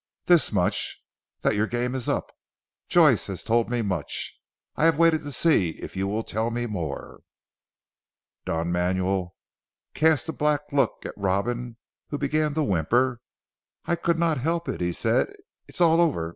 "This much. That your game is up. Joyce has told me much; I have waited to see if you will tell me more." Don Manuel cast a black look at Robin who began to 'whimper. "I could not help it," he said, "it's all over.